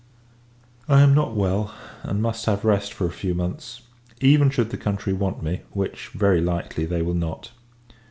I am not well: and must have rest, for a few months, even should the country [want me;] which, very likely, they will not.